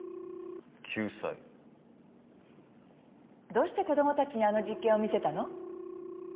どうして子供たちにあの実験を見せたの？